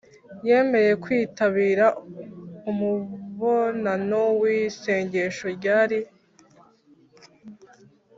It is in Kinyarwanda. yemeye kwitabira umubonano w'isengesho ryari